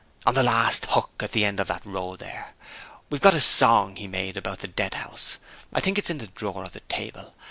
On the last hook at the end of the row there. We've got a song he made about the Deadhouse. I think it's in the drawer of the table.